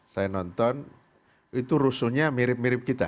saya nonton itu rusuhnya mirip mirip kita